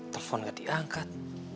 telepon gak diangkat